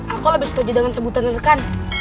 aku lebih suka jadangan sebutan rekan